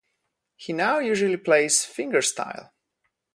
He now usually plays fingerstyle.